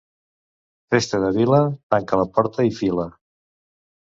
Festa de vila, tanca la porta i fila.